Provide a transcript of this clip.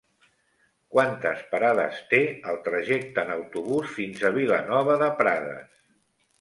Quantes parades té el trajecte en autobús fins a Vilanova de Prades?